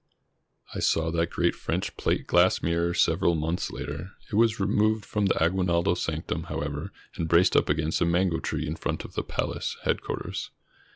I saw that great French plate glass mirror several months later. It was removed from the Aguinaldo sanc tum, however, and braced up against a mango tree in front of the "palace" headquarters.